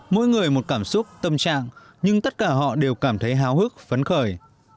mỗi người một cảm xúc tâm trạng nhưng tất cả họ đều cảm thấy háo hức phấn khởi